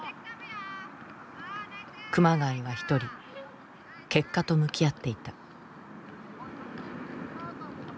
熊谷は一人結果と向き合っていた。